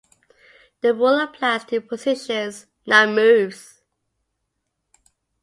The rule applies to "positions", not "moves".